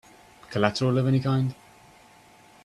Collateral of any kind?